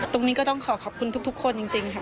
ตรงนี้ก็ต้องขอขอบคุณทุกคนจริงค่ะ